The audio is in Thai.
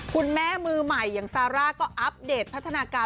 คุณแม่มือใหม่อย่างซาร่าก็อัปเดตพัฒนาการ